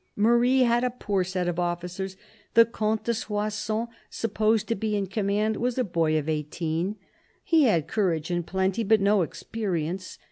Marie had a poor set of officers. The Comte de Soissons, supposed to be in command, was a boy of eighteen ; he had courage in plenty, but no experience.